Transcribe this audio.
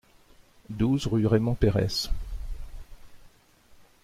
douze rue Raymond Peyrès